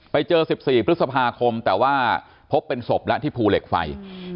ไปเจอ๑๔พฤษภาคมแต่ว่าพบเป็นศพแล้วที่ภูเหล็กไฟ